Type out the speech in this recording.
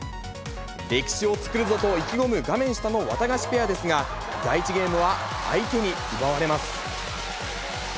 歴史を作るぞと意気込む、画面下のワタガシペアですが、第１ゲームは相手に奪われます。